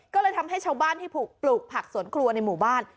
ก็เลยทำให้ชาวบ้านที่ปลูกผักสวนครัวในหมู่บ้าน